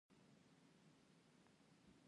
وطني غوړ وخوره ټوله ورځ به داسې کار کوې لکه ټېلر.